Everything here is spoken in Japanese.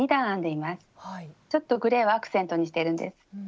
ちょっとグレーをアクセントにしてるんです。